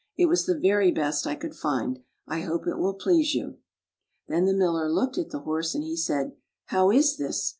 It was the very best I could find. I hope it will please you." Then the Miller looked at the horse, and he said, " How is this?